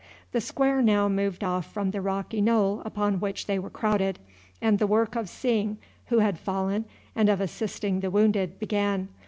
The square now moved off from the rocky knoll upon which they were crowded, and the work of seeing who had fallen and of assisting the wounded began.